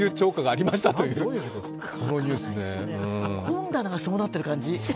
本棚がそうなってる感じ。